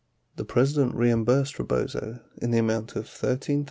The President reimbursed Rebozo in the amount of $13, 642.